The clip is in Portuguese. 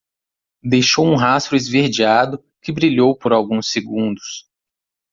Deixou um rastro esverdeado que brilhou por alguns segundos.